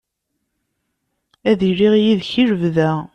Ad iliɣ yid-k i lebda.